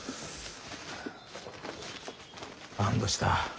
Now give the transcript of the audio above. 安堵した。